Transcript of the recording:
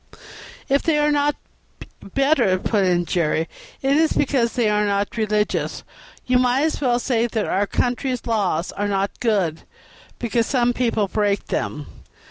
"If they are not better," put in Jerry, "it is because they are not religious. You might as well say that our country's laws are not good because some people break them.